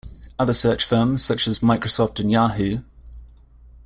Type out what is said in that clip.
Other search firms, such as Microsoft and Yahoo!